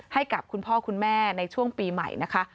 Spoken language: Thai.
ให้กับคุณพ่อคุณแม่ในช่วงปีใหม่นะคะ